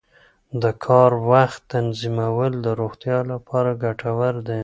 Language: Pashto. د کار وخت تنظیمول د روغتیا لپاره ګټور دي.